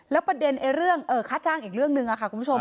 แล้วประเด็นไอ้เรื่องเอ่อค่าจ้างอีกเรื่องนึงอ่ะค่ะคุณผู้ชม